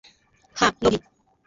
হ্যাঁ, লোভী।